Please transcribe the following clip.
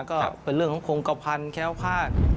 ก็เป็นเรื่องของโครงกระพันธ์แค้วคาด